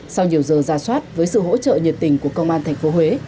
sau nhiều giờ ra soát với sự hỗ trợ nhiệt tình của công an thành phố huế